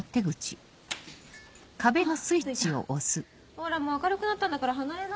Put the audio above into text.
ほらもう明るくなったんだから離れな。